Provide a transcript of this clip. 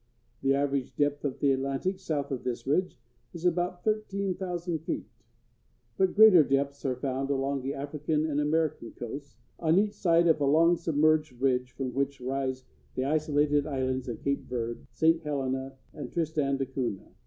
The average depth of the Atlantic south of this ridge is about thirteen thousand feet, but greater depths are found along the African and American coasts, on each side of a long submerged ridge from which rise the isolated islands of Cape Verd, St. Helena, and Tristan da Cunha.